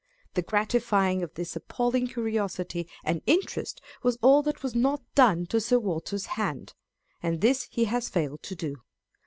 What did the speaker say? The gratifying of this appalling curiosity and interest was all that was not done to Sir Walter's hand ; and this he has failed to do.